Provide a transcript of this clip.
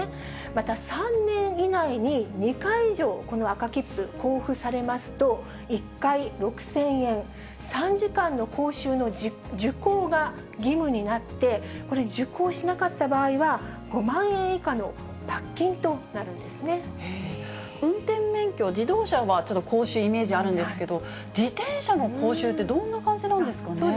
また３年以内に２回以上、この赤切符、交付されますと、１回６０００円、３時間の講習の受講が義務になって、これ受講しなかった場合は、運転免許、自動車は講習のイメージあるんですけど、自転車の講習って、どんな感じなんですかね。